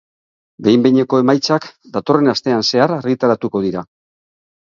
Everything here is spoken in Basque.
Behin-behineko emaitzak datorren astean zehar argitaratuko dira.